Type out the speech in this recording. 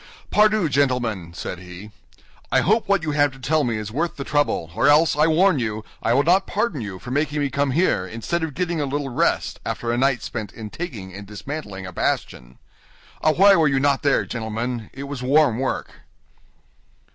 "Pardieu, gentlemen," said he. "I hope what you have to tell me is worth the trouble, or else, I warn you, I will not pardon you for making me come here instead of getting a little rest after a night spent in taking and dismantling a bastion. Ah, why were you not there, gentlemen? It was warm work."